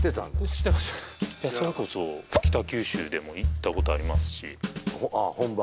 知ってましたそれこそ北九州でも行ったことありますしあ本場？